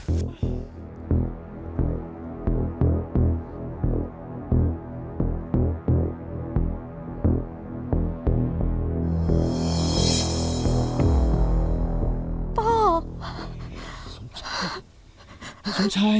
นี่แค่แบบนั้นความรู้สึกใช่ไหม